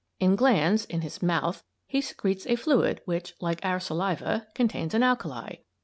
In glands, in his "mouth," he secretes a fluid which, like our saliva, contains an alkali.